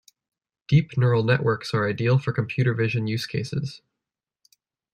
Deep Neural Networks are ideal for computer vision use cases.